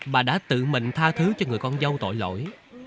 bà đã tự mình tha thứ cho người con dâu tội lỗi